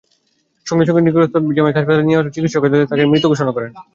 সঙ্গে সঙ্গে নিকটস্থ জ্যামাইকা হাসপাতালে নেওয়া হলে চিকিৎসকেরা তাঁকে মৃত ঘোষণা করেন।